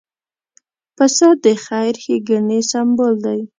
پسه د خیر ښېګڼې سمبول دی.